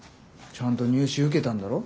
ちゃんと入試受けたんだろ。